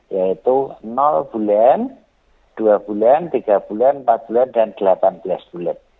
yaitu bulan dua bulan tiga bulan empat bulan dan delapan belas bulan